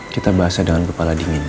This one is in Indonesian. kita bahasa dengan kepala dingin